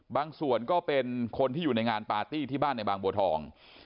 ก็เป็นคนที่อยู่ในงานปาร์ตี้ที่บ้านในบางบัวทอง